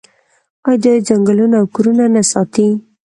آیا دوی ځنګلونه او کورونه نه ساتي؟